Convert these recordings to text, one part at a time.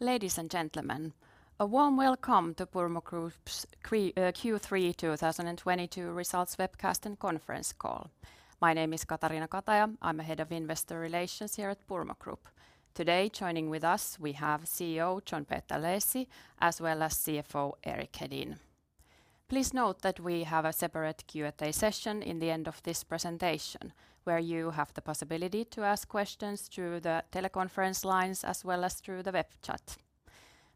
Ladies and gentlemen, a warm welcome to Purmo Group's Q3 2022 results webcast and conference call. My name is Katariina Kataja. I'm head of investor relations here at Purmo Group. Today, joining with us, we have CEO John Peter Leesi, as well as CFO Erik Hedin. Please note that we have a separate Q&A session at the end of this presentation, where you have the possibility to ask questions through the teleconference lines as well as through the web chat.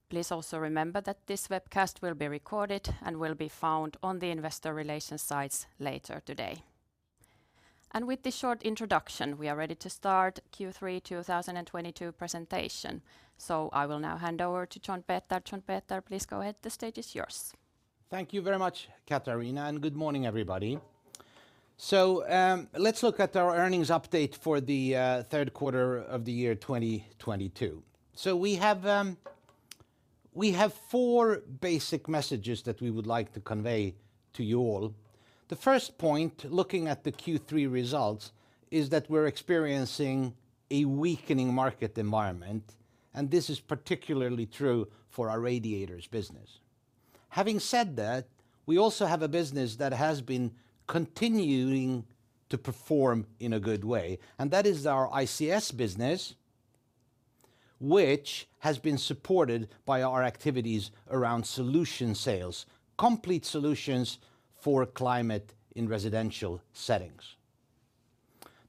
Please also remember that this webcast will be recorded and will be found on the investor relations site later today. With this short introduction, we are ready to start Q3 2022 presentation. I will now hand over to John-Peter. John-Peter, please go ahead. The stage is yours. Thank you very much, Katariina, and good morning, everybody. Let's look at our earnings update for the third quarter of the year 2022. We have four basic messages that we would like to convey to you all. The first point, looking at the Q3 results, is that we're experiencing a weakening market environment, and this is particularly true for our radiators business. Having said that, we also have a business that has been continuing to perform in a good way, and that is our ICS business, which has been supported by our activities around solution sales, complete solutions for climate in residential settings.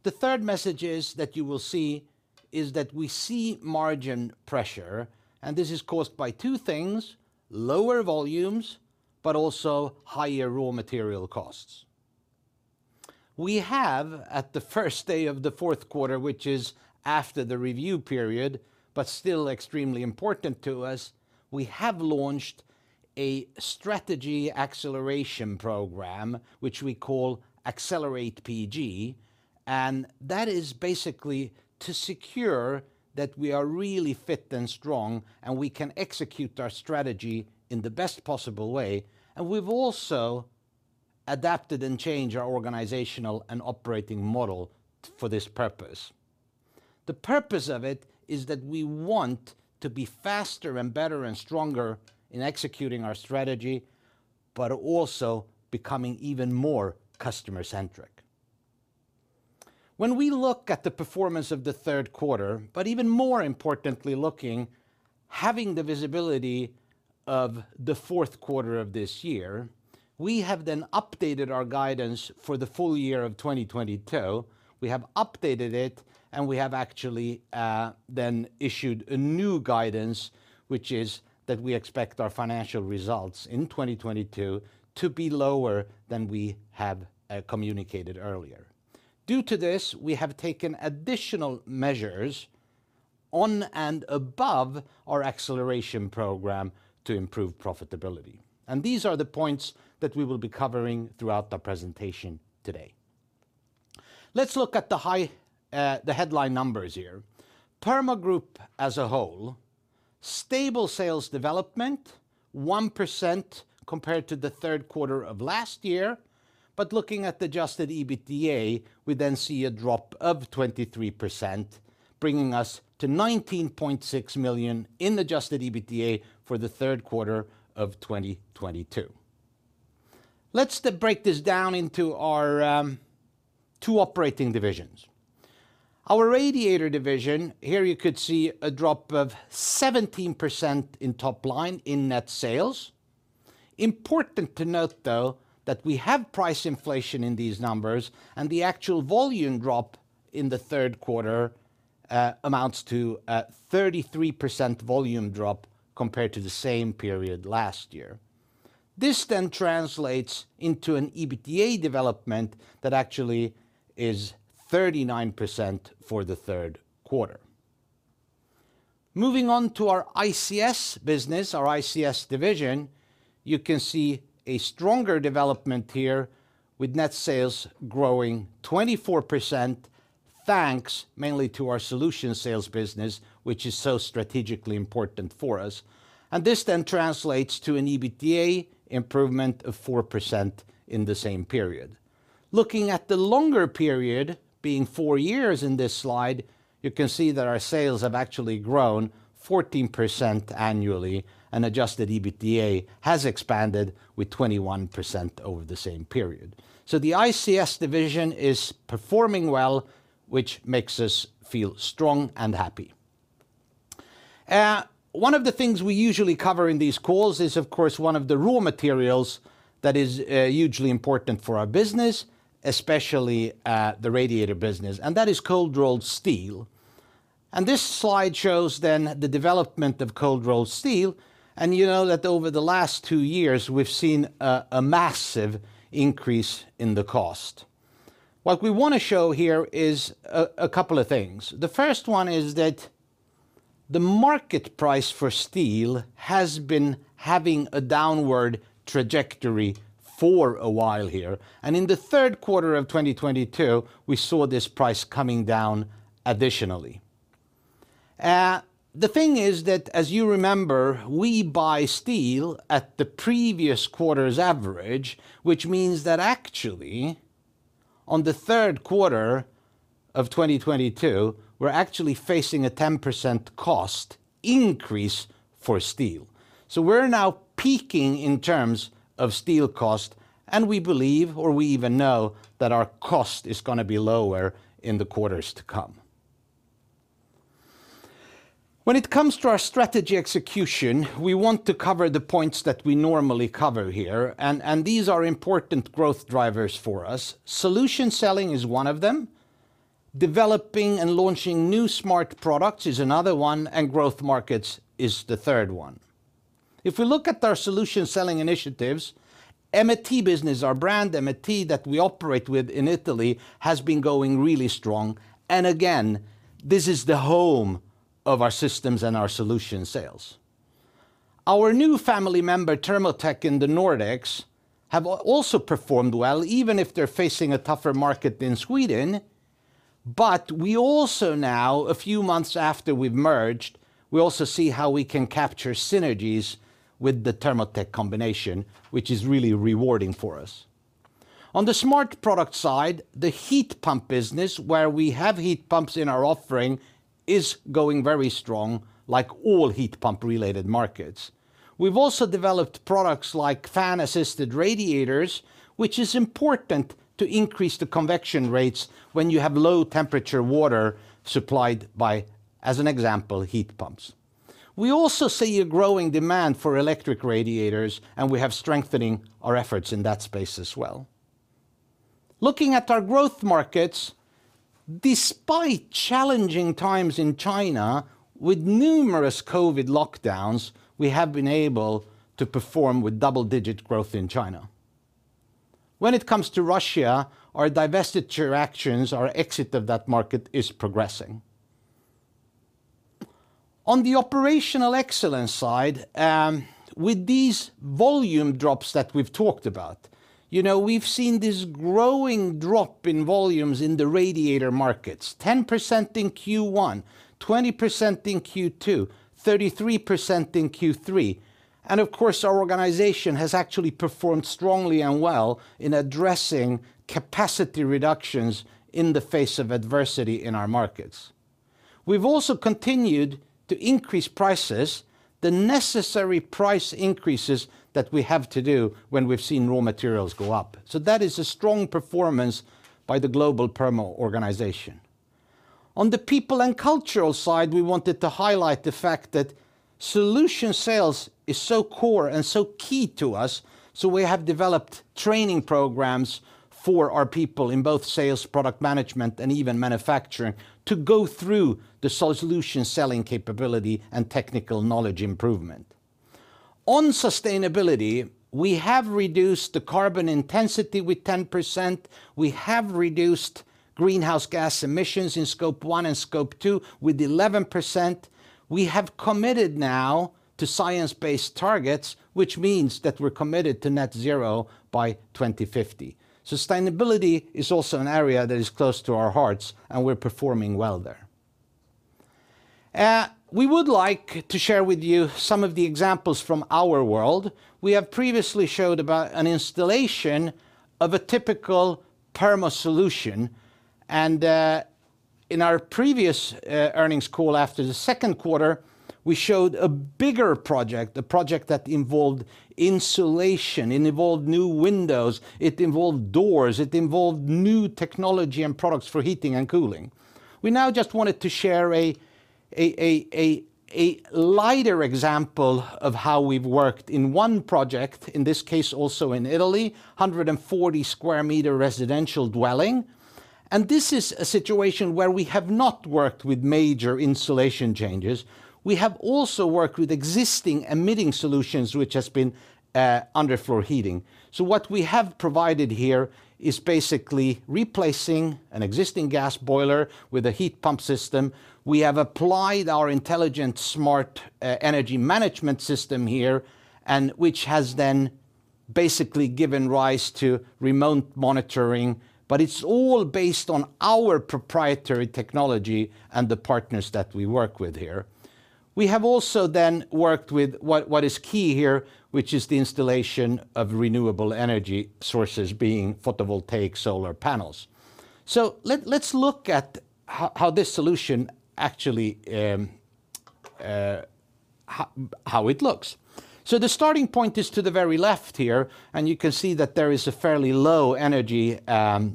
The third message is that you will see is that we see margin pressure, and this is caused by two things, lower volumes, but also higher raw material costs. We have, at the first day of the fourth quarter, which is after the review period, but still extremely important to us, we have launched a strategy acceleration program, which we call Accelerate PG, and that is basically to secure that we are really fit and strong, and we can execute our strategy in the best possible way, and we've also adapted and changed our organizational and operating model for this purpose. The purpose of it is that we want to be faster and better and stronger in executing our strategy, but also becoming even more customer-centric. When we look at the performance of the third quarter, but even more importantly, looking, having the visibility of the fourth quarter of this year, we have then updated our guidance for the full year of 2022. We have updated it, and we have actually then issued a new guidance, which is that we expect our financial results in 2022 to be lower than we have communicated earlier. Due to this, we have taken additional measures on and above our acceleration program to improve profitability, and these are the points that we will be covering throughout the presentation today. Let's look at the headline numbers here. Purmo Group as a whole, stable sales development, 1% compared to the third quarter of last year, but looking at the adjusted EBITDA, we then see a drop of 23%, bringing us to 19.6 million in adjusted EBITDA for the third quarter of 2022. Let's then break this down into our two operating divisions. Our radiator division, here you could see a drop of 17% in top line in net sales. Important to note, though, that we have price inflation in these numbers, and the actual volume drop in the third quarter amounts to a 33% volume drop compared to the same period last year. This then translates into an EBITDA development that actually is 39% for the third quarter. Moving on to our ICS business, our ICS division, you can see a stronger development here with net sales growing 24% thanks mainly to our solution sales business, which is so strategically important for us, and this then translates to an EBITDA improvement of 4% in the same period. Looking at the longer period, being 4 years in this slide, you can see that our sales have actually grown 14% annually, and adjusted EBITDA has expanded with 21% over the same period. The ICS division is performing well, which makes us feel strong and happy. One of the things we usually cover in these calls is, of course, one of the raw materials that is hugely important for our business, especially the radiator business, and that is cold-rolled steel. This slide shows then the development of cold-rolled steel, and you know that over the last 2 years, we've seen a massive increase in the cost. What we wanna show here is a couple of things. The first one is that the market price for steel has been having a downward trajectory for a while here, and in the third quarter of 2022, we saw this price coming down additionally. The thing is that, as you remember, we buy steel at the previous quarter's average, which means that actually, on the third quarter of 2022, we're actually facing a 10% cost increase for steel. So we're now peaking in terms of steel cost, and we believe or we even know that our cost is gonna be lower in the quarters to come. When it comes to our strategy execution, we want to cover the points that we normally cover here, and these are important growth drivers for us. Solution selling is one of them. Developing and launching new smart products is another one, and growth markets is the third one. If we look at our solution selling initiatives, Emmeti business, our brand Emmeti that we operate with in Italy, has been going really strong. Again, this is the home of our systems and our solution sales. Our new family member, Thermotech in the Nordics, have also performed well, even if they're facing a tougher market in Sweden. We also now, a few months after we've merged, we also see how we can capture synergies with the Thermotech combination, which is really rewarding for us. On the smart product side, the heat pump business, where we have heat pumps in our offering, is going very strong, like all heat pump related markets. We've also developed products like fan assisted radiators, which is important to increase the convection rates when you have low temperature water supplied by, as an example, heat pumps. We also see a growing demand for electric radiators, and we have strengthened our efforts in that space as well. Looking at our growth markets, despite challenging times in China with numerous COVID lockdowns, we have been able to perform with double-digit growth in China. When it comes to Russia, our divestiture actions, our exit of that market, is progressing. On the operational excellence side, with these volume drops that we've talked about we've seen this growing drop in volumes in the radiator markets, 10% in Q1, 20% in Q2, 33% in Q3, and of course, our organization has actually performed strongly and well in addressing capacity reductions in the face of adversity in our markets. We've also continued to increase prices, the necessary price increases that we have to do when we've seen raw materials go up. That is a strong performance by the global Purmo organization. On the people and cultural side, we wanted to highlight the fact that solution sales is so core and so key to us, so we have developed training programs for our people in both sales, product management and even manufacturing to go through the solution selling capability and technical knowledge improvement. On sustainability, we have reduced the carbon intensity with 10%. We have reduced greenhouse gas emissions in Scope 1 and Scope 2 with 11%. We have committed now to Science-Based Targets, which means that we're committed to net zero by 2050. Sustainability is also an area that is close to our hearts, and we're performing well there. We would like to share with you some of the examples from our world. We have previously showed about an installation of a typical Purmo solution, and, in our previous, earnings call after the second quarter, we showed a bigger project, a project that involved insulation, it involved new windows, it involved doors, it involved new technology and products for heating and cooling. We now just wanted to share a lighter example of how we've worked in one project, in this case also in Italy, 140-square-meter residential dwelling. This is a situation where we have not worked with major insulation changes. We have also worked with existing heating solutions which has been underfloor heating. What we have provided here is basically replacing an existing gas boiler with a heat pump system. We have applied our intelligent smart energy management system here, and which has then basically given rise to remote monitoring, but it's all based on our proprietary technology and the partners that we work with here. We have also then worked with what is key here, which is the installation of renewable energy sources being photovoltaic solar panels. Let's look at how this solution actually how it looks. The starting point is to the very left here, and you can see that there is a fairly low energy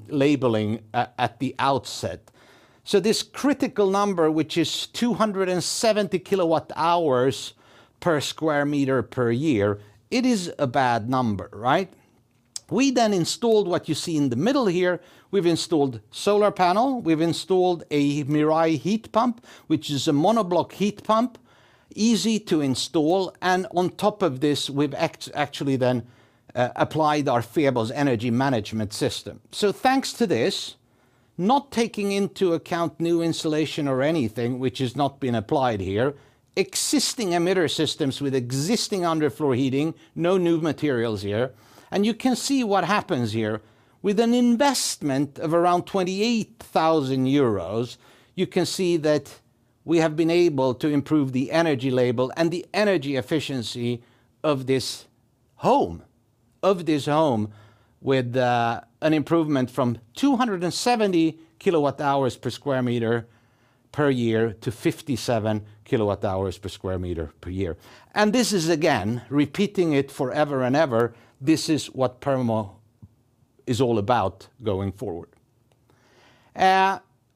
labeling at the outset. This critical number, which is 270 kWh per square meter per year, it is a bad number, right? We then installed what you see in the middle here. We've installed solar panel, we've installed a Mirai heat pump, which is a monoblock heat pump, easy to install, and on top of this, we've actually applied our Feelix energy management system. Thanks to this, not taking into account new installation or anything which has not been applied here, existing emitter systems with existing under floor heating, no new materials here, and you can see what happens here. With an investment of around 28,000 euros, you can see that we have been able to improve the energy label and the energy efficiency of this home, of this home with an improvement from 270 kilowatt-hours per square meter per year to 57 kilowatt-hours per square meter per year. This is again repeating it forever and ever. This is what Purmo is all about going forward.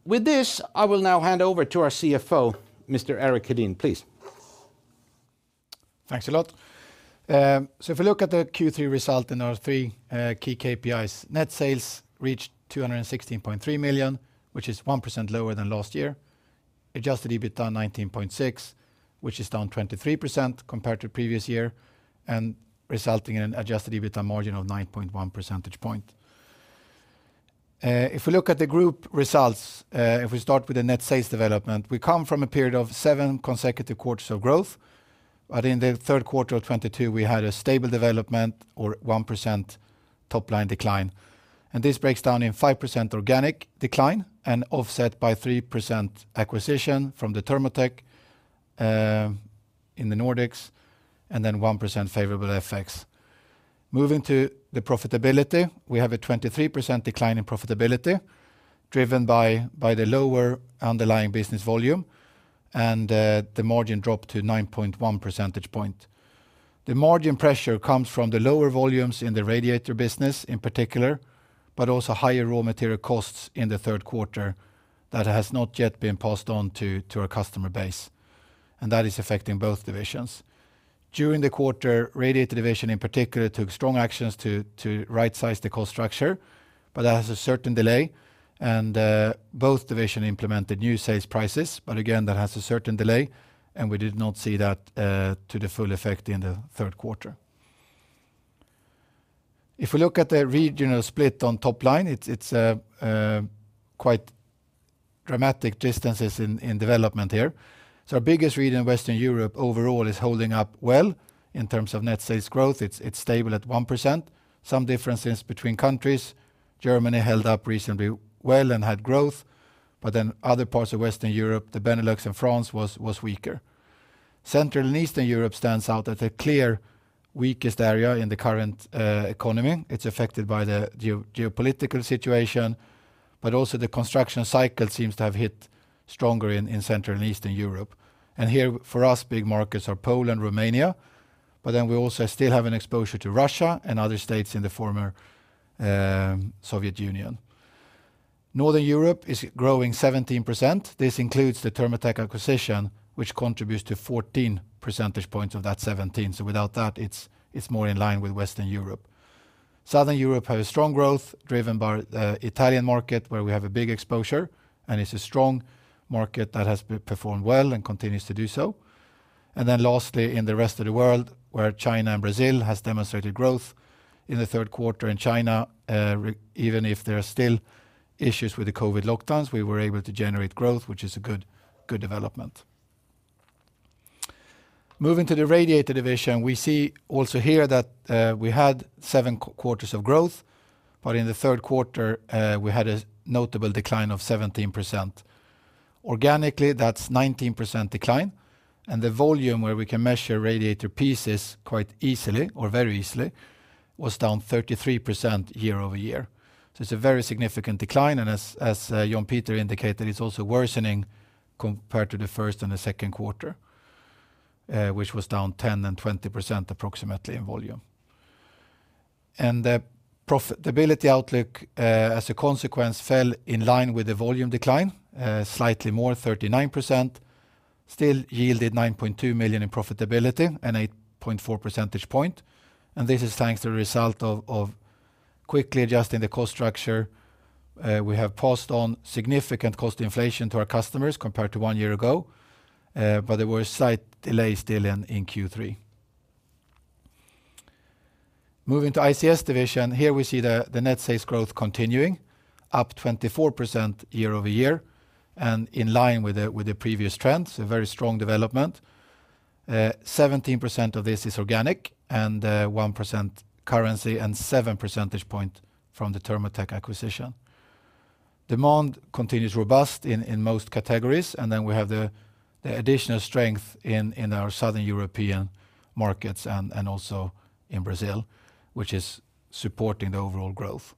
With this, I will now hand over to our CFO, Mr. Erik Hedin, please. Thanks a lot. So if you look at the Q3 result in our three key KPIs, net sales reached 216.3 million, which is 1% lower than last year. Adjusted EBIT down 19.6 million, which is down 23% compared to previous year, and resulting in an adjusted EBITA margin of 9.1 percentage points. If we look at the group results, if we start with the net sales development, we come from a period of seven consecutive quarters of growth. In the third quarter of 2022, we had a stable development or 1% top line decline. This breaks down in 5% organic decline and offset by 3% acquisition from the Thermotech in the Nordics, and then 1% favorable FX. Moving to the profitability, we have a 23% decline in profitability driven by the lower underlying business volume and the margin dropped to 9.1 percentage points. The margin pressure comes from the lower volumes in the radiator business in particular, but also higher raw material costs in the third quarter that has not yet been passed on to our customer base, and that is affecting both divisions. During the quarter, Radiator Division in particular took strong actions to right-size the cost structure, but that has a certain delay and both divisions implemented new sales prices, but again, that has a certain delay and we did not see that to the full effect in the third quarter. If we look at the regional split on top line, it's quite dramatic differences in development here. Our biggest region in Western Europe overall is holding up well in terms of net sales growth. It's stable at 1%. Some differences between countries. Germany held up reasonably well and had growth, but then other parts of Western Europe, the Benelux and France was weaker. Central and Eastern Europe stands out as a clear weakest area in the current economy. It's affected by the geopolitical situation, but also the construction cycle seems to have hit stronger in Central and Eastern Europe. Here for us, big markets are Poland, Romania, but then we also still have an exposure to Russia and other states in the former Soviet Union. Northern Europe is growing 17%. This includes the Thermotech acquisition, which contributes to 14 percentage points of that 17. Without that, it's more in line with Western Europe. Southern Europe has strong growth driven by the Italian market where we have a big exposure, and it's a strong market that has performed well and continues to do so. Lastly, in the rest of the world where China and Brazil has demonstrated growth in the third quarter in China, even if there are still issues with the COVID lockdowns, we were able to generate growth, which is a good development. Moving to the Radiator division, we see also here that we had seven quarters of growth, but in the third quarter, we had a notable decline of 17%. Organically, that's 19% decline, and the volume where we can measure radiator pieces quite easily or very easily was down 33% year-over-year. It's a very significant decline, and as John Peter Leesi indicated, it's also worsening compared to the first and the second quarter, which was down 10% and 20% approximately in volume. The profitability outlook, as a consequence, fell in line with the volume decline, slightly more 39%, still yielded 9.2 million in profitability and 8.4 percentage point. This is thanks to the result of quickly adjusting the cost structure. We have passed on significant cost inflation to our customers compared to one year ago, but there were slight delays still in Q3. Moving to ICS division, here we see the net sales growth continuing up 24% year-over-year and in line with the previous trends, a very strong development. 17% of this is organic and 1% currency and 7 percentage points from the Thermotech acquisition. Demand continues robust in most categories. Then we have the additional strength in our Southern European markets and also in Brazil, which is supporting the overall growth.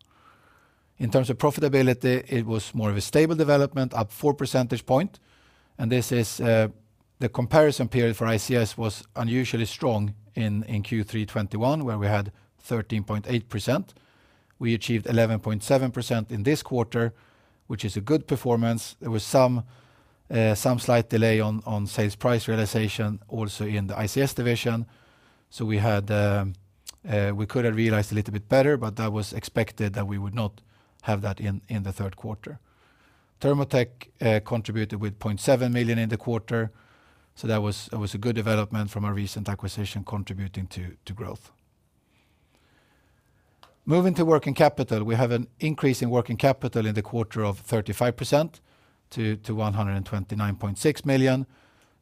In terms of profitability, it was more of a stable development, up 4 percentage points, and this is the comparison period for ICS was unusually strong in Q3 2021 where we had 13.8%. We achieved 11.7% in this quarter, which is a good performance. There was some slight delay on sales price realization also in the ICS division. We could have realized a little bit better, but that was expected that we would not have that in the third quarter. Thermotech contributed with 0.7 million in the quarter, so that was a good development from our recent acquisition contributing to growth. Moving to working capital, we have an increase in working capital in the quarter of 35% to 129.6 million.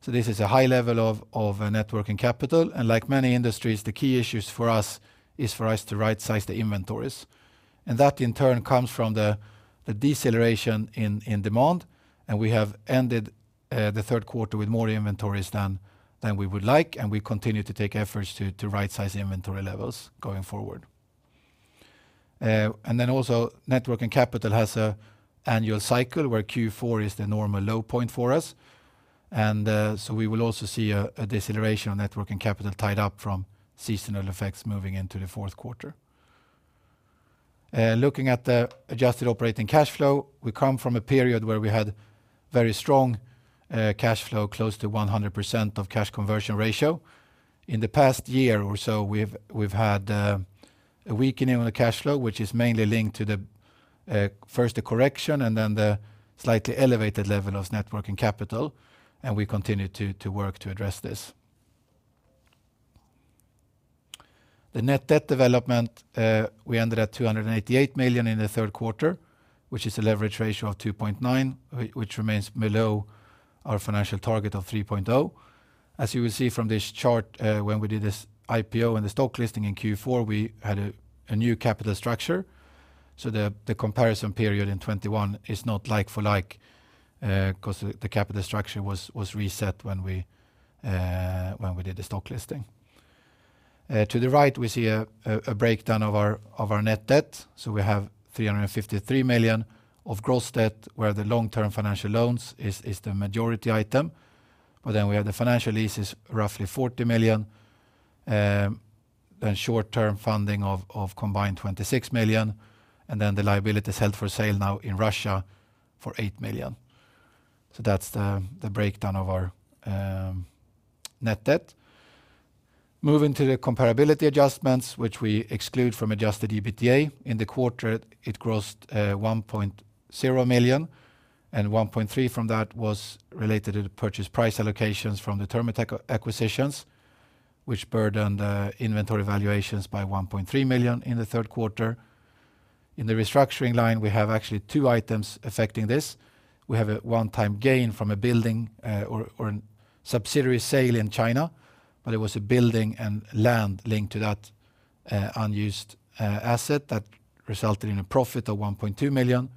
So this is a high level of net working capital. Like many industries, the key issues for us is for us to right-size the inventories. That in turn comes from the deceleration in demand. We have ended the third quarter with more inventories than we would like, and we continue to take efforts to right-size inventory levels going forward. Net working capital has an annual cycle where Q4 is the normal low point for us. We will also see a deceleration of net working capital tied up from seasonal effects moving into the fourth quarter. Looking at the adjusted operating cash flow, we come from a period where we had very strong cash flow, close to 100% cash conversion ratio. In the past year or so, we've had a weakening on the cash flow, which is mainly linked to first the correction and then the slightly elevated level of net working capital, and we continue to work to address this. The net debt development, we ended at 288 million in the third quarter, which is a leverage ratio of 2.9, which remains below our financial target of 3.0. As you will see from this chart, when we did this IPO and the stock listing in Q4, we had a new capital structure. The comparison period in 2021 is not like for like, 'cause the capital structure was reset when we did the stock listing. To the right, we see a breakdown of our net debt. We have 353 million of gross debt, where the long-term financial loans is the majority item. Then we have the financial leases, roughly 40 million, then short-term funding of combined 26 million, and then the liabilities held for sale now in Russia for 8 million. That's the breakdown of our net debt. Moving to the comparability adjustments, which we exclude from adjusted EBITDA. In the quarter, it grossed 1.0 million, and 1.3 million from that was related to the purchase price allocations from the Thermotech acquisitions, which burdened the inventory valuations by 1.3 million in the third quarter. In the restructuring line, we have actually two items affecting this. We have a one-time gain from a building or a subsidiary sale in China, but it was a building and land linked to that unused asset that resulted in a profit of 1.2 million,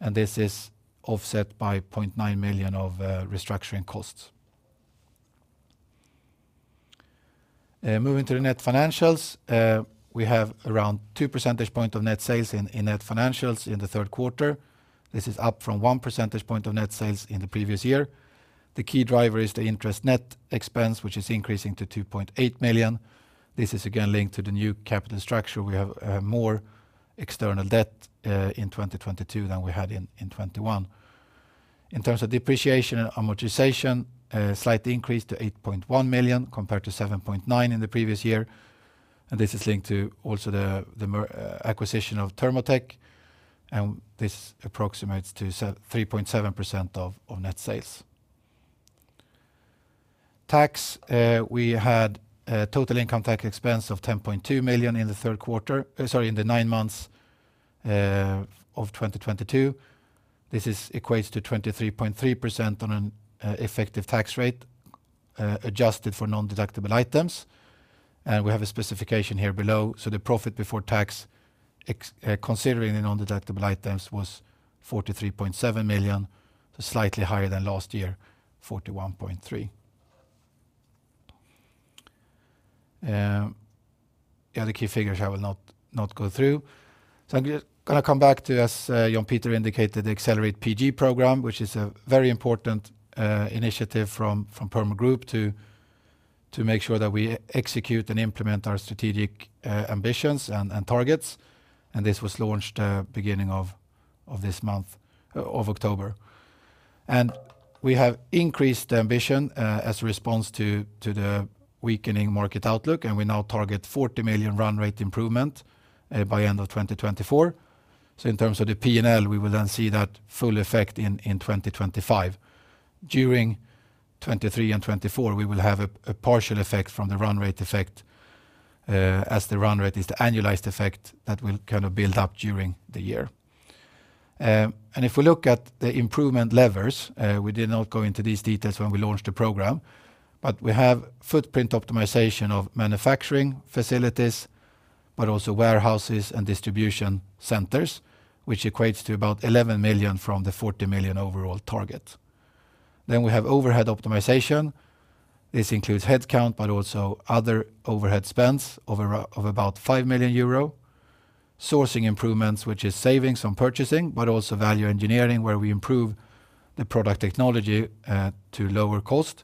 and this is offset by 0.9 million of restructuring costs. Moving to the net financials, we have around 2 percentage points of net sales in net financials in the third quarter. This is up from 1 percentage point of net sales in the previous year. The key driver is the interest net expense, which is increasing to 2.8 million. This is again linked to the new capital structure. We have more external debt in 2022 than we had in 2021. In terms of depreciation and amortization, a slight increase to 8.1 million compared to 7.9 million in the previous year, and this is linked to also the acquisition of Thermotech, and this approximates to 3.7% of net sales. Tax, we had total income tax expense of 10.2 million in the nine months of 2022. This equates to 23.3% on an effective tax rate, adjusted for nondeductible items. We have a specification here below. The profit before tax, considering the nondeductible items, was 43.7 million, slightly higher than last year, 41.3 million. The other key figures I will not go through. I'm just going to come back to, as John Peter indicated, the Accelerate PG program, which is a very important initiative from Purmo Group to make sure that we execute and implement our strategic ambitions and targets. This was launched beginning of this month, October. We have increased the ambition as a response to the weakening market outlook, and we now target 40 million run rate improvement by end of 2024. In terms of the P&L, we will then see that full effect in 2025. During 2023 and 2024, we will have a partial effect from the run rate effect, as the run rate is the annualized effect that will kind of build up during the year. If we look at the improvement levers, we did not go into these details when we launched the program, but we have footprint optimization of manufacturing facilities, but also warehouses and distribution centers, which equates to about 11 million from the 40 million overall target. We have overhead optimization. This includes headcount, but also other overhead spends of about 5 million euro. Sourcing improvements, which is savings on purchasing, but also value engineering, where we improve the product technology, to lower cost,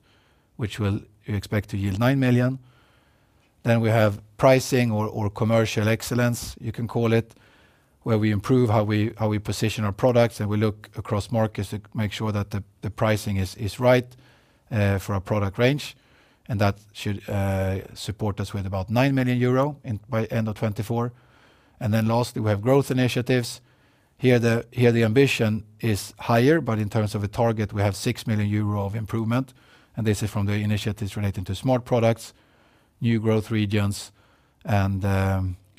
which will expect to yield 9 million. We have pricing or commercial excellence, you can call it, where we improve how we position our products, and we look across markets to make sure that the pricing is right for our product range. That should support us with about 9 million euro by end of 2024. We have growth initiatives. Here the ambition is higher, but in terms of a target, we have 6 million euro of improvement, and this is from the initiatives relating to smart products, new growth regions, and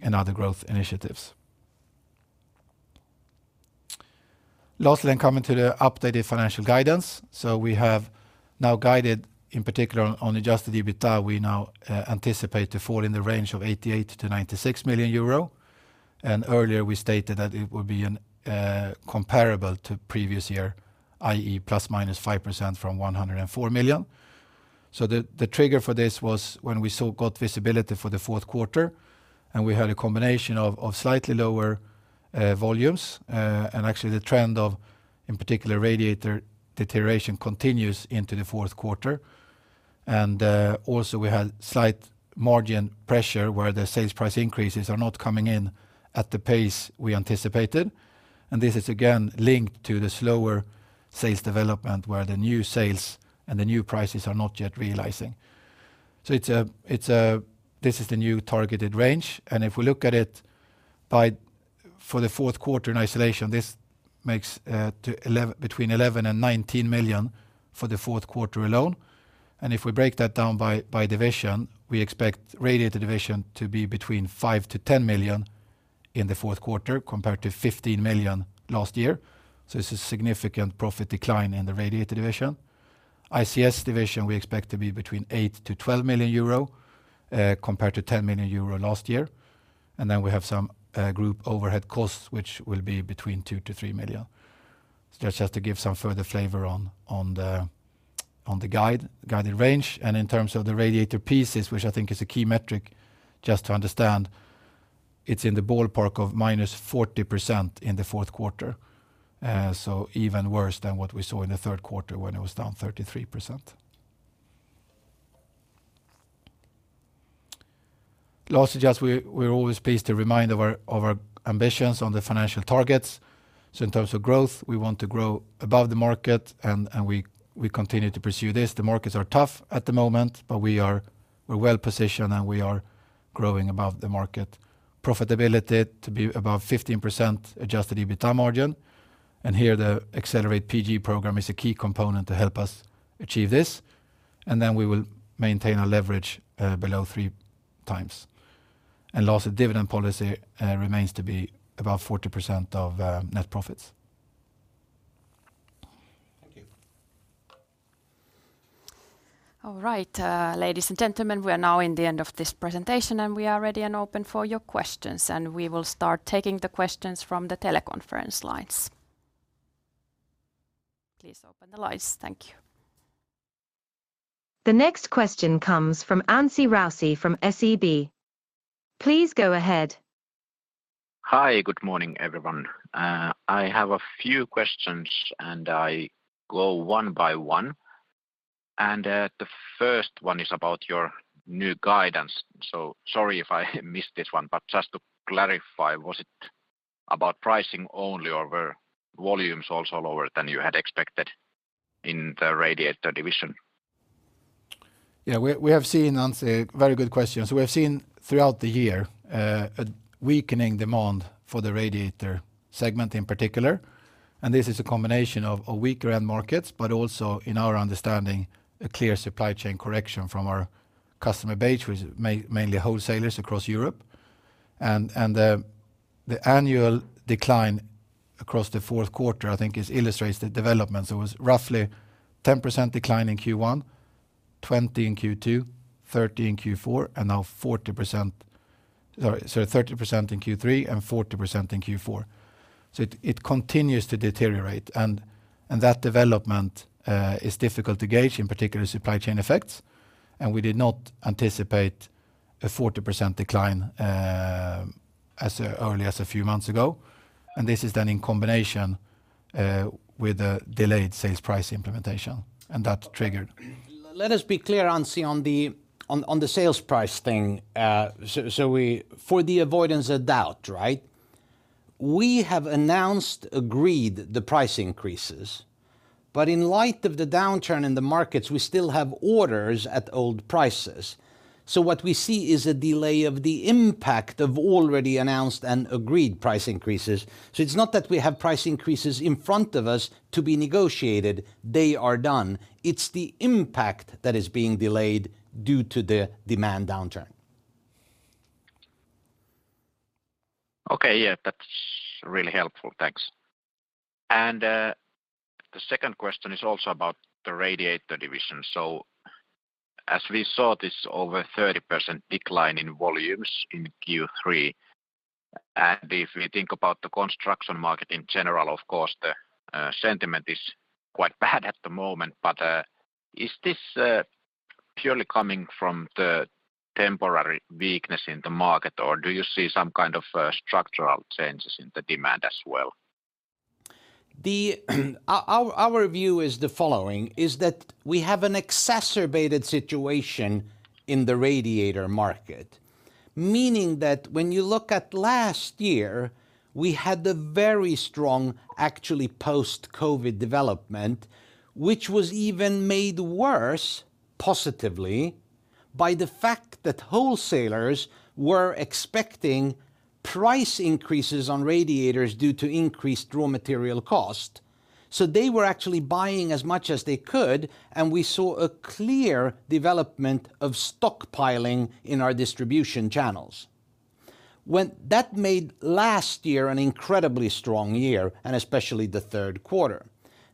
other growth initiatives. Coming to the updated financial guidance. We have now guided in particular on adjusted EBITDA. We now anticipate to fall in the range of 88 million-96 million euro. Earlier we stated that it would be comparable to previous year, i.e. ±5% from 104 million. The trigger for this was when we got visibility for the fourth quarter, and we had a combination of slightly lower volumes. Actually the trend of, in particular, radiator deterioration continues into the fourth quarter. Also we had slight margin pressure where the sales price increases are not coming in at the pace we anticipated. This is again linked to the slower sales development, where the new sales and the new prices are not yet realizing. This is the new targeted range. If we look at it for the fourth quarter in isolation, this makes between 11 million and 19 million for the fourth quarter alone. If we break that down by division, we expect radiator division to be between 5-10 million in the fourth quarter compared to 15 million last year. It's a significant profit decline in the radiator division. ICS division, we expect to be between 8-12 million euro compared to 10 million euro last year. We have some group overhead costs, which will be between 2-3 million. Just to give some further flavor on the guided range. In terms of the radiator pieces, which I think is a key metric just to understand, it's in the ballpark of -40% in the fourth quarter. Even worse than what we saw in the third quarter when it was down 33%. Lastly, just we're always pleased to remind of our ambitions on the financial targets. In terms of growth, we want to grow above the market and we continue to pursue this. The markets are tough at the moment, but we are well positioned, and we are growing above the market. Profitability to be above 15% adjusted EBITDA margin, and here the Accelerate PG program is a key component to help us achieve this. We will maintain a leverage below 3x. The dividend policy remains to be above 40% of net profits. Thank you. All right. Ladies and gentlemen, we are now in the end of this presentation, and we are ready and open for your questions, and we will start taking the questions from the teleconference lines. Please open the lines. Thank you. The next question comes from Anssi Rauti from SEB. Please go ahead. Hi. Good morning, everyone. I have a few questions, and I go one by one. The first one is about your new guidance. Sorry if I missed this one, but just to clarify, was it about pricing only, or were volumes also lower than you had expected in the radiator division? Yeah. We have seen, Anssi. Very good question. We have seen throughout the year a weakening demand for the radiator segment in particular. This is a combination of weaker end markets, but also, in our understanding, a clear supply chain correction from our customer base, which is mainly wholesalers across Europe. The annual decline across the fourth quarter, I think it illustrates the development. It was roughly 10% decline in Q1, 20 in Q2, 30 in Q4, and now 40%. Sorry. 30% in Q3 and 40% in Q4. It continues to deteriorate and that development is difficult to gauge, in particular supply chain effects. We did not anticipate a 40% decline as early as a few months ago. This is then in combination with the delayed sales price implementation. Let us be clear, Anssi, on the sales price thing. For the avoidance of doubt, right? We have announced and agreed the price increases, but in light of the downturn in the markets, we still have orders at old prices. What we see is a delay of the impact of already announced and agreed price increases. It's not that we have price increases in front of us to be negotiated. They are done. It's the impact that is being delayed due to the demand downturn. Okay. Yeah. That's really helpful. Thanks. The second question is also about the radiator division. As we saw this over 30% decline in volumes in Q3, and if we think about the construction market in general, of course the sentiment is quite bad at the moment. Is this purely coming from the temporary weakness in the market, or do you see some kind of structural changes in the demand as well? Our view is the following, that we have an exacerbated situation in the radiator market. Meaning that when you look at last year, we had a very strong, actually post-COVID development, which was even made worse positively by the fact that wholesalers were expecting price increases on radiators due to increased raw material cost. They were actually buying as much as they could, and we saw a clear development of stockpiling in our distribution channels. When that made last year an incredibly strong year, and especially the third quarter.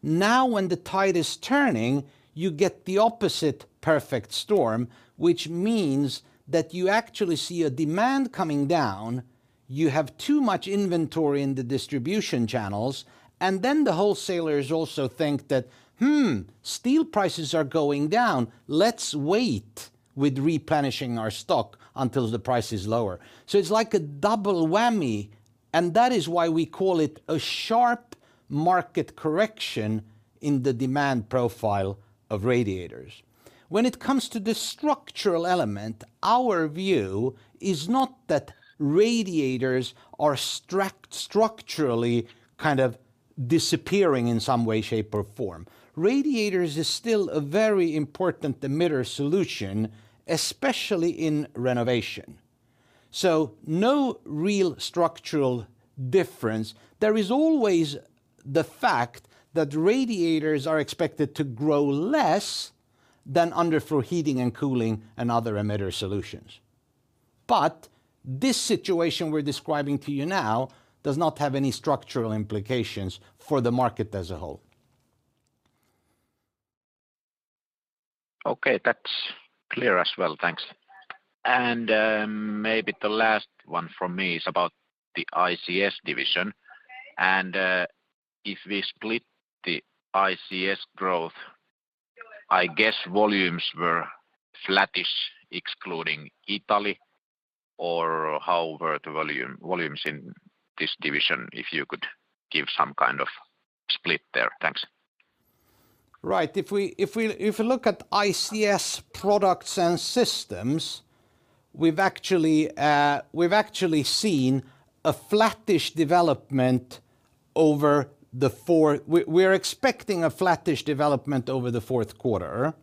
Now, when the tide is turning, you get the opposite perfect storm, which means that you actually see a demand coming down, you have too much inventory in the distribution channels, and then the wholesalers also think that, "Hmm, steel prices are going down. Let's wait with replenishing our stock until the price is lower." So it's like a double whammy, and that is why we call it a sharp market correction in the demand profile of radiators. When it comes to the structural element, our view is not that radiators are structurally kind of disappearing in some way, shape, or form. Radiators is still a very important emitter solution, especially in renovation. No real structural difference. There is always the fact that radiators are expected to grow less than underfloor heating and cooling and other emitter solutions. This situation we're describing to you now does not have any structural implications for the market as a whole. Okay. That's clear as well. Thanks. Maybe the last one from me is about the ICS division. If we split the ICS growth, I guess volumes were flattish excluding Italy, or how were the volumes in this division? If you could give some kind of split there. Thanks. Right. If we look at ICS products and systems, we've actually seen a flattish development. We're expecting a flattish development over the fourth quarter.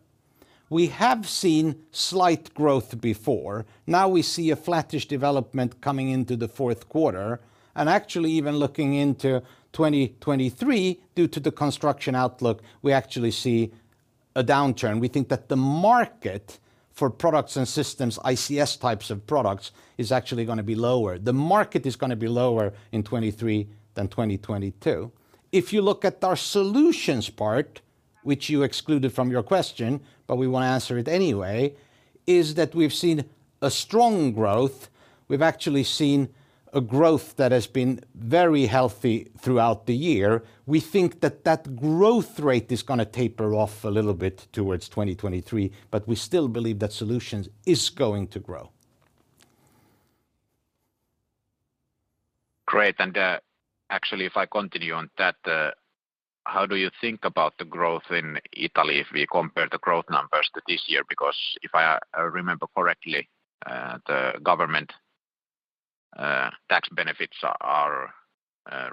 We have seen slight growth before. Now, we see a flattish development coming into the fourth quarter. Actually even looking into 2023, due to the construction outlook, we actually see a downturn. We think that the market for products and systems, ICS types of products, is actually gonna be lower. The market is gonna be lower in 2023 than 2022. If you look at our solutions part, which you excluded from your question, but we will answer it anyway, is that we've seen a strong growth. We've actually seen a growth that has been very healthy throughout the year. We think that growth rate is gonna taper off a little bit towards 2023, but we still believe that solutions is going to grow. Great. Actually, if I continue on that, how do you think about the growth in Italy if we compare the growth numbers to this year? Because if I remember correctly, the government tax benefits are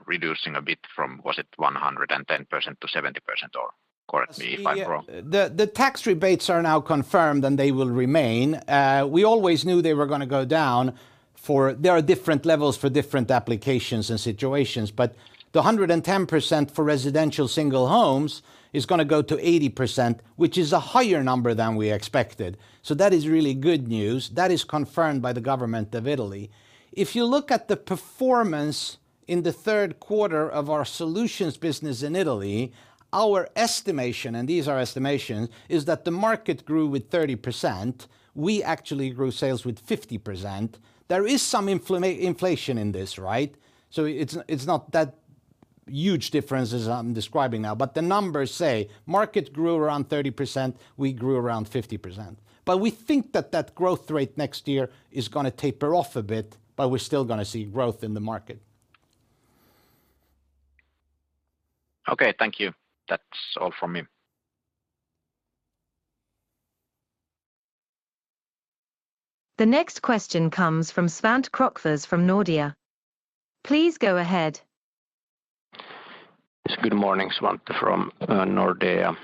reducing a bit from, was it 110% to 70% or, correct me if I'm wrong. The tax rebates are now confirmed, and they will remain. We always knew they were gonna go down for... There are different levels for different applications and situations, but the 110% for residential single homes is gonna go to 80%, which is a higher number than we expected. That is really good news. That is confirmed by the government of Italy. If you look at the performance in the third quarter of our solutions business in Italy, our estimation, and these are estimations, is that the market grew with 30%. We actually grew sales with 50%. There is some inflation in this, right? It's not that huge differences I'm describing now, but the numbers say market grew around 30%, we grew around 50%. We think that growth rate next year is gonna taper off a bit, but we're still gonna see growth in the market. Okay, thank you. That's all from me. The next question comes from Svante Krokfors from Nordea. Please go ahead. Yes, good morning. Svante from Nordea.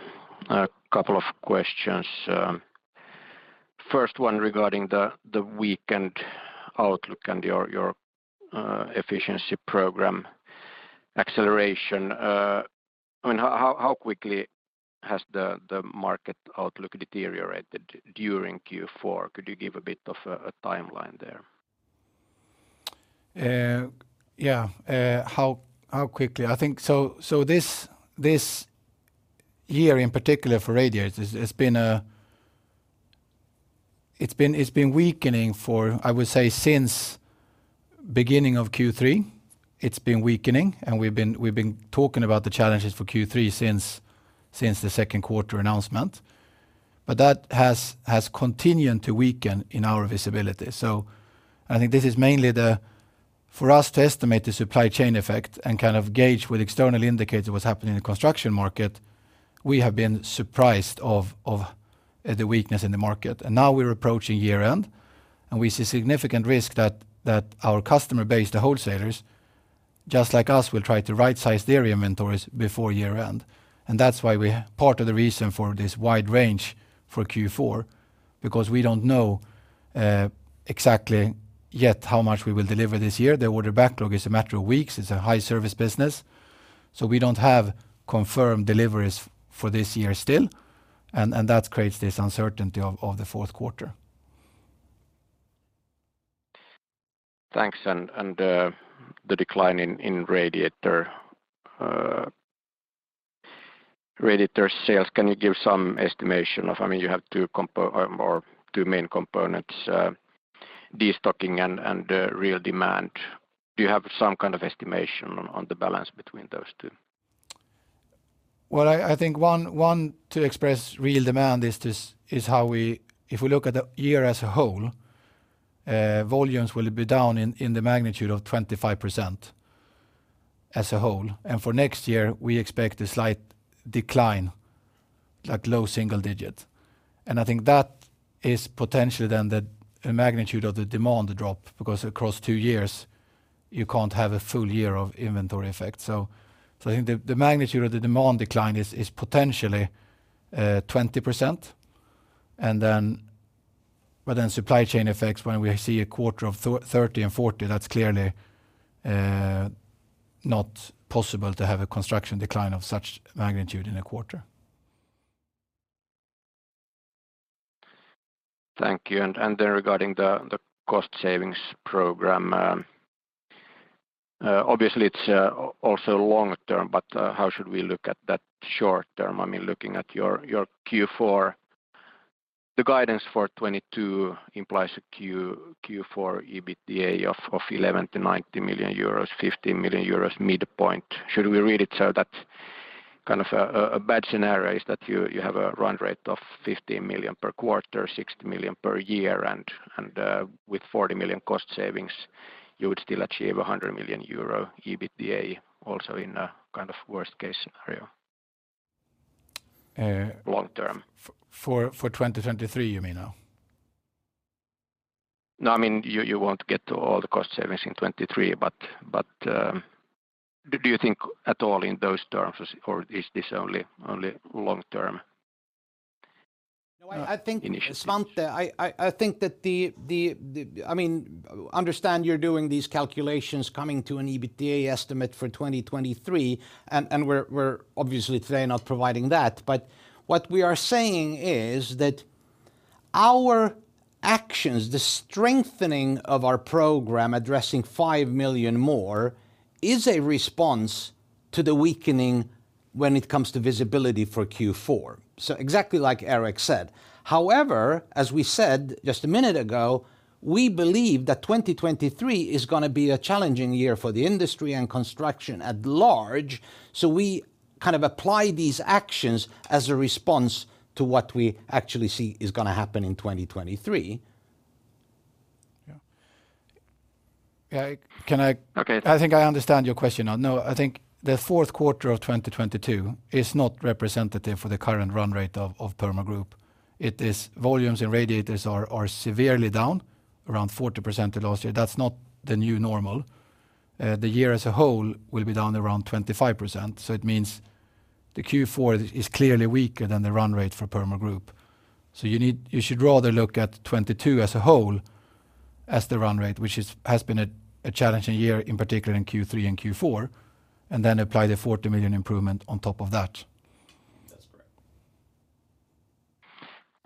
A couple of questions. First one regarding the weakened outlook and your efficiency program acceleration. I mean, how quickly has the market outlook deteriorated during Q4? Could you give a bit of a timeline there? How quickly? I think this year in particular for radiators has been weakening for, I would say, since beginning of Q3, and we've been talking about the challenges for Q3 since the second quarter announcement. That has continued to weaken in our visibility. I think this is mainly for us to estimate the supply chain effect and kind of gauge with external indicators what's happening in the construction market. We have been surprised by the weakness in the market. Now we're approaching year-end, and we see significant risk that our customer base, the wholesalers, just like us, will try to right-size their inventories before year-end. That's why we Part of the reason for this wide range for Q4, because we don't know exactly yet how much we will deliver this year. The order backlog is a matter of weeks. It's a high service business, so we don't have confirmed deliveries for this year still. That creates this uncertainty of the fourth quarter. Thanks. The decline in radiator sales, can you give some estimation of? I mean, you have two main components, destocking and real demand. Do you have some kind of estimation on the balance between those two? I think one way to express real demand is this, how we. If we look at the year as a whole, volumes will be down in the magnitude of 25% as a whole. For next year, we expect a slight decline, like low single-digit. I think that is potentially then the magnitude of the demand drop, because across two years, you can't have a full year of inventory effect. I think the magnitude of the demand decline is potentially 20%, but then supply chain effects, when we see a quarter of thirty and forty, that's clearly not possible to have a construction decline of such magnitude in a quarter. Thank you. Regarding the cost savings program, obviously it's also long term, but how should we look at that short term? I mean, looking at your Q4, the guidance for 2022 implies a Q4 EBITDA of 11 million-90 million euros, 15 million euros midpoint. Should we read it so that kind of a bad scenario is that you have a run rate of 15 million per quarter, 60 million per year, and with 40 million cost savings, you would still achieve a 100 million euro EBITDA also in a kind of worst case scenario, long term? For 2023, you mean now? No, I mean, you won't get to all the cost savings in 2023, but do you think at all in those terms or is this only long-term initiatives? No, I think, Svante, I mean I understand you're doing these calculations coming to an EBITDA estimate for 2023, and we're obviously today not providing that. What we are saying is that our actions, the strengthening of our program addressing 5 million more, is a response to the weakening when it comes to visibility for Q4. Exactly like Erik said. However, as we said just a minute ago, we believe that 2023 is gonna be a challenging year for the industry and construction at large, so we kind of apply these actions as a response to what we actually see is gonna happen in 2023. Yeah. Yeah, Okay. I think I understand your question now. No, I think the fourth quarter of 2022 is not representative for the current run rate of Purmo Group. It is. Volumes in radiators are severely down, around 40% the last year. That's not the new normal. The year as a whole will be down around 25%, so it means the Q4 is clearly weaker than the run rate for Purmo Group. You should rather look at 2022 as a whole as the run rate, which has been a challenging year, in particular in Q3 and Q4, and then apply the 40 million improvement on top of that. That's correct.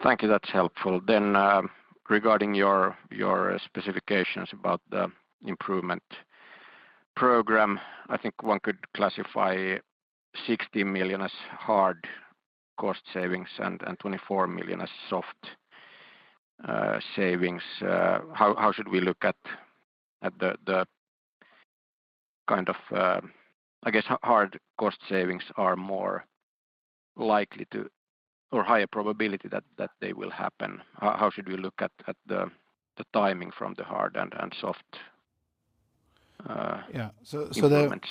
Thank you. That's helpful. Regarding your specifications about the improvement program, I think one could classify 60 million as hard cost savings and twenty-four million as soft savings. How should we look at the kind of hard cost savings? I guess hard cost savings are more likely to or higher probability that they will happen. How should we look at the timing from the hard and soft improvements?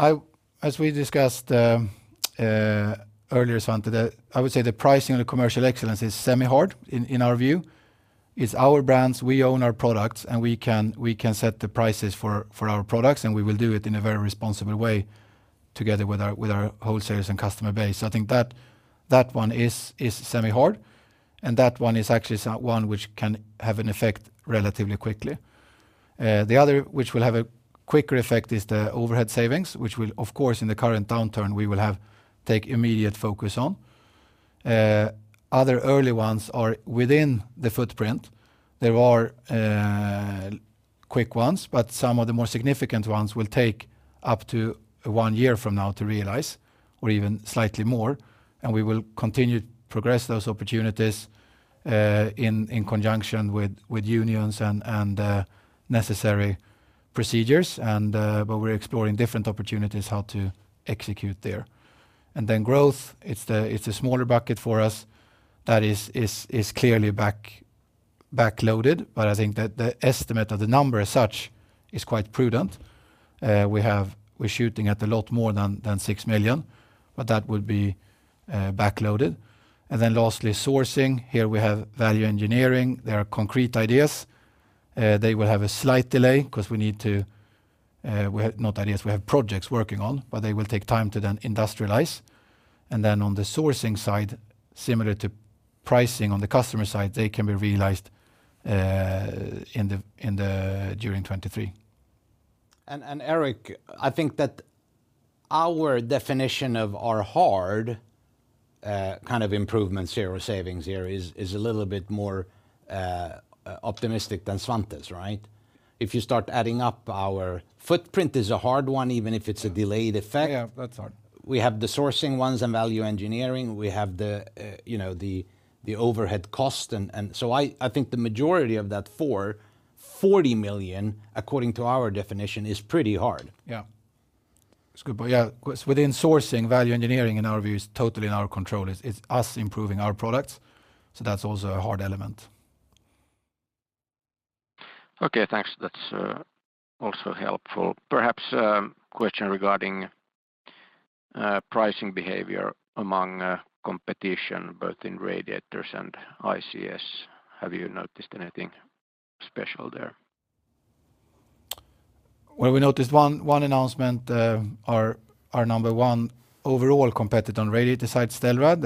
As we discussed earlier, Svante, I would say the pricing on the commercial excellence is semi-hard in our view. It's our brands, we own our products, and we can set the prices for our products, and we will do it in a very responsible way together with our wholesalers and customer base. I think that one is semi-hard, and that one is actually one which can have an effect relatively quickly. The other which will have a quicker effect is the overhead savings, which we'll of course in the current downturn have to take immediate focus on. Other early ones are within the footprint. There are quick ones, but some of the more significant ones will take up to 1 year from now to realize or even slightly more, and we will continue to progress those opportunities in conjunction with unions and necessary procedures, but we're exploring different opportunities how to execute there. Then growth, it's a smaller bucket for us that is clearly backloaded, but I think that the estimate of the number as such is quite prudent. We're shooting at a lot more than 6 million, but that would be backloaded. Then lastly, sourcing. Here we have value engineering. There are concrete ideas. They will have a slight delay 'cause we need to. We have projects working on, but they will take time to then industrialize. On the sourcing side, similar to pricing on the customer side, they can be realized during 2023. Erik, I think that our definition of our hard kind of improvements here or savings here is a little bit more optimistic than Svante's, right? If you start adding up our footprint is a hard one, even if it's a delayed effect. Yeah, that's hard. We have the sourcing ones and value engineering. We have the you know, the overhead cost and so I think the majority of that 40 million, according to our definition, is pretty hard. Yeah. It's good. Yeah, within sourcing, value engineering, in our view, is totally in our control. It's us improving our products, so that's also a hard element. Okay, thanks. That's also helpful. Perhaps question regarding pricing behavior among competition both in radiators and ICS. Have you noticed anything special there? Well, we noticed one announcement, our number one overall competitor on radiator side, Stelrad,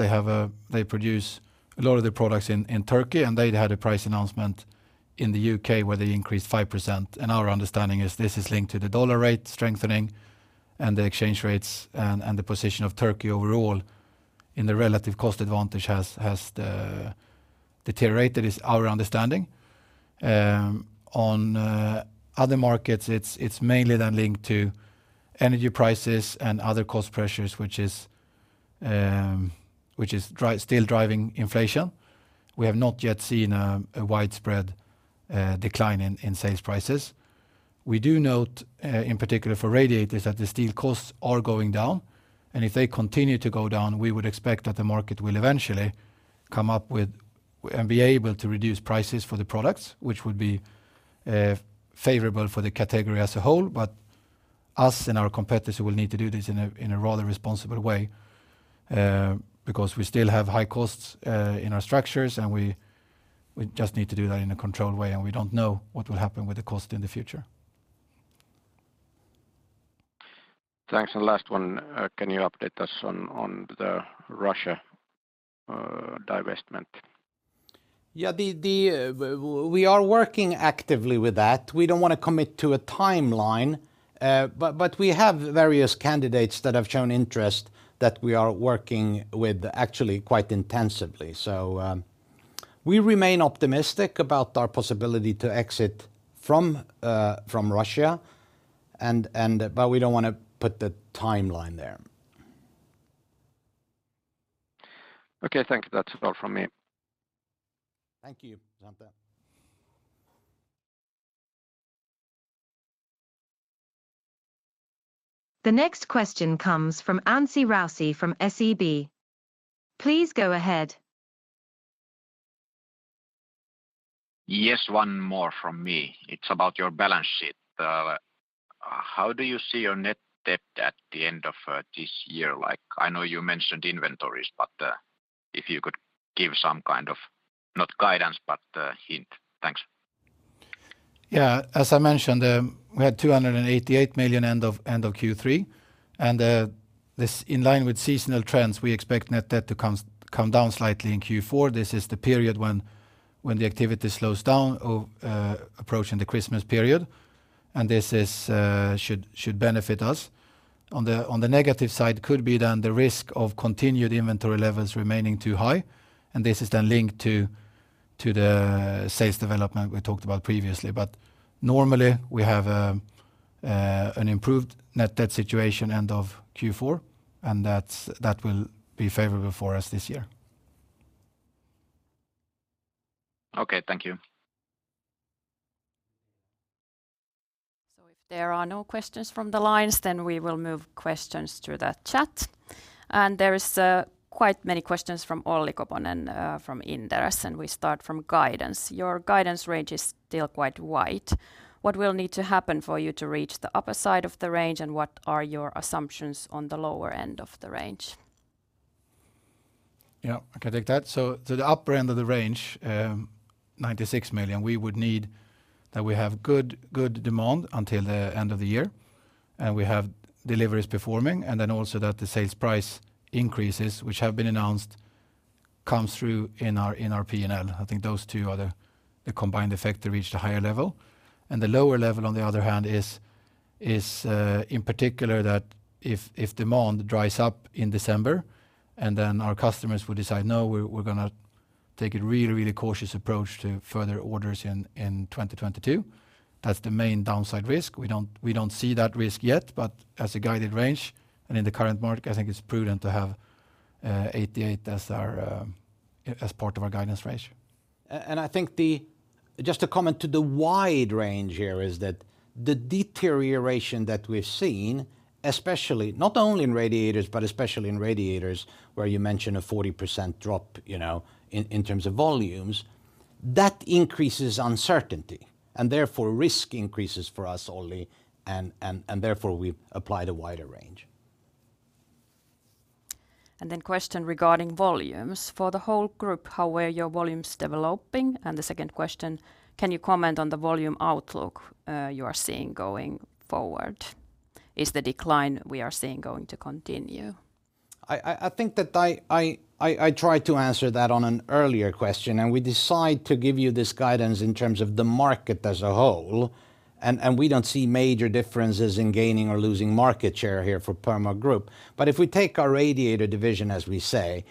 they produce a lot of their products in Turkey, and they'd had a price announcement in the UK where they increased 5%. Our understanding is this is linked to the dollar rate strengthening and the exchange rates and the position of Turkey overall, and the relative cost advantage has deteriorated, is our understanding. On other markets, it's mainly then linked to energy prices and other cost pressures, which is still driving inflation. We have not yet seen a widespread decline in sales prices. We do note, in particular for radiators, that the steel costs are going down, and if they continue to go down, we would expect that the market will eventually come up with and be able to reduce prices for the products, which would be favorable for the category as a whole. Us and our competitors will need to do this in a rather responsible way, because we still have high costs in our structures and we just need to do that in a controlled way, and we don't know what will happen with the cost in the future. Thanks, last one. Can you update us on the Russia divestment? Yeah. We are working actively with that. We don't wanna commit to a timeline. We have various candidates that have shown interest that we are working with actually quite intensively. We remain optimistic about our possibility to exit from Russia. We don't wanna put the timeline there. Okay, thank you. That's all from me. Thank you, Svante. The next question comes from Anssi Raussi from SEB. Please go ahead. Yes, one more from me. It's about your balance sheet. How do you see your net debt at the end of this year? Like, I know you mentioned inventories, but if you could give some kind of, not guidance, but a hint. Thanks. Yeah. As I mentioned, we had 288 million end of Q3, and this, in line with seasonal trends, we expect net debt to come down slightly in Q4. This is the period when the activity slows down approaching the Christmas period, and this should benefit us. On the negative side could be then the risk of continued inventory levels remaining too high, and this is then linked to the sales development we talked about previously. Normally, we have an improved net debt situation end of Q4, and that will be favorable for us this year. Okay, thank you. If there are no questions from the lines, then we will move questions through the chat. There is quite many questions from Olli Koponen from Inderes, and we start from guidance. Your guidance range is still quite wide. What will need to happen for you to reach the upper side of the range, and what are your assumptions on the lower end of the range? Yeah, I can take that. To the upper end of the range, 96 million, we would need that we have good demand until the end of the year, and we have deliveries performing, and then also that the sales price increases, which have been announced, comes through in our P&L. I think those two are the combined effect to reach the higher level. The lower level, on the other hand, is in particular that if demand dries up in December, and then our customers will decide, "No, we're gonna take a really cautious approach to further orders in 2022," that's the main downside risk. We don't see that risk yet, but as a guidance range and in the current market, I think it's prudent to have 88 as part of our guidance range. Just a comment to the wide range here is that the deterioration that we've seen, especially not only in radiators, but especially in radiators, where you mention a 40% drop in terms of volumes, that increases uncertainty and therefore risk increases for us, Olli, and therefore we apply the wider range. Question regarding volumes. For the whole group, how were your volumes developing? The second question, can you comment on the volume outlook, you are seeing going forward? Is the decline we are seeing going to continue? I think that I tried to answer that on an earlier question, and we decide to give you this guidance in terms of the market as a whole, and we don't see major differences in gaining or losing market share here for Purmo Group. If we take our radiator division, as we say,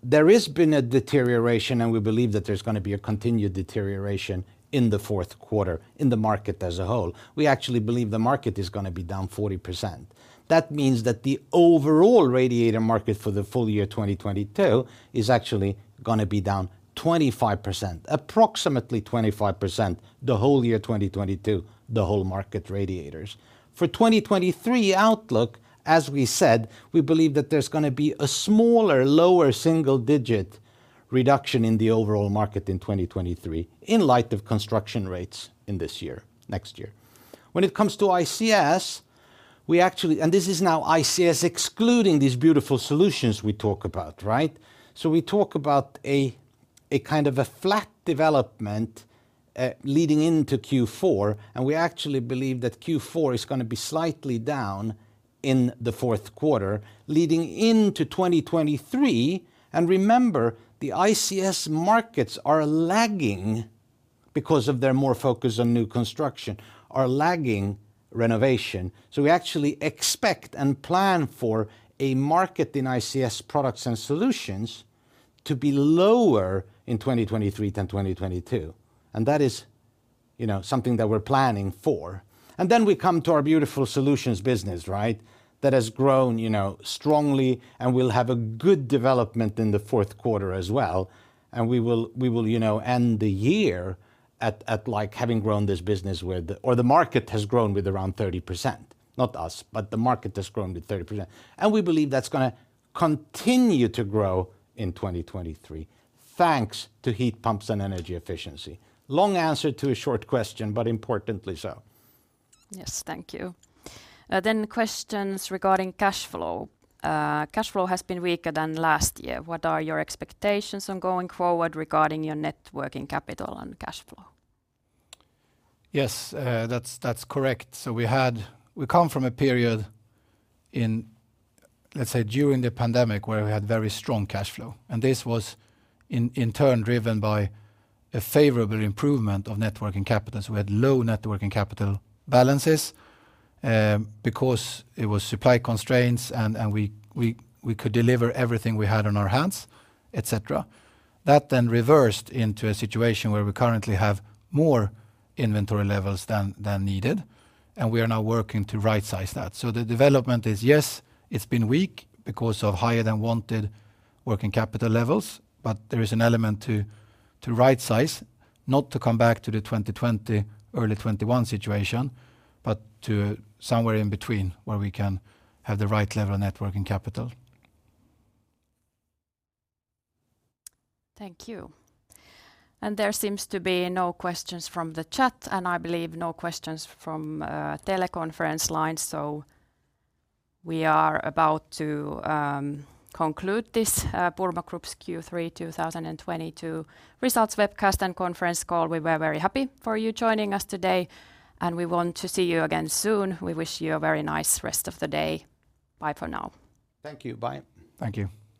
there has been a deterioration, and we believe that there's gonna be a continued deterioration in the fourth quarter in the market as a whole. We actually believe the market is gonna be down 40%. That means that the overall radiator market for the full year 2022 is actually gonna be down 25%, approximately 25% the whole year 2022, the whole market radiators. For 2023 outlook, as we said, we believe that there's gonna be a smaller, lower single-digit reduction in the overall market in 2023 in light of construction rates in this year, next year. When it comes to ICS, we actually this is now ICS excluding these beautiful solutions we talk about, right? We talk about a kind of flat development leading into Q4, and we actually believe that Q4 is gonna be slightly down in the fourth quarter leading into 2023. Remember, the ICS markets are lagging because of their more focus on new construction, are lagging renovation. We actually expect and plan for a market in ICS products and solutions to be lower in 2023 than 2022, and that is something that we're planning for. Then we come to our beautiful solutions business, right? That has grown strongly and will have a good development in the fourth quarter as well, and we will end the year at, like, having grown this business the market has grown with around 30%. Not us, but the market has grown with 30%. We believe that's gonna continue to grow in 2023, thanks to heat pumps and energy efficiency. Long answer to a short question, but importantly so. Yes, thank you. Questions regarding cash flow. Cash flow has been weaker than last year. What are your expectations going forward regarding your net working capital and cash flow? Yes, that's correct. We come from a period in, let's say, during the pandemic where we had very strong cash flow, and this was in turn driven by a favorable improvement of net working capital. We had low net working capital balances, because it was supply constraints and we could deliver everything we had on our hands, et cetera. That then reversed into a situation where we currently have more inventory levels than needed, and we are now working to rightsize that. The development is, yes, it's been weak because of higher than wanted working capital levels, but there is an element to rightsize, not to come back to the 2020, early 2021 situation, but to somewhere in between where we can have the right level of net working capital. Thank you. There seems to be no questions from the chat, and I believe no questions from teleconference lines, so we are about to conclude this Purmo Group's Q3 2022 results webcast and conference call. We were very happy for you joining us today, and we want to see you again soon. We wish you a very nice rest of the day. Bye for now. Thank you. Bye. Thank you.